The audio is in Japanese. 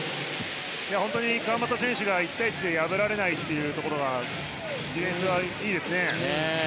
本当に川真田選手が１対１で破られないのがディフェンスいいですね。